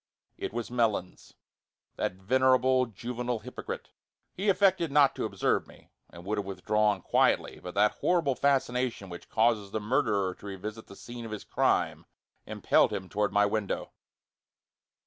It was Melons, that venerable, juvenile hypocrite. He affected not to observe me, and would have withdrawn quietly, but that horrible fascination which causes the murderer to revisit the scene of his crime impelled him toward my window.